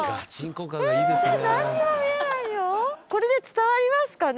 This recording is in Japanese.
これで伝わりますかね？